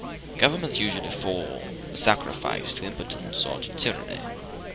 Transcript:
Governments usually fall a sacrifice to impotence or to tyranny.